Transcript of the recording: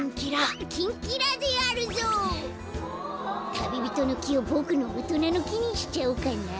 タビビトノキをボクのおとなのきにしちゃおうかな。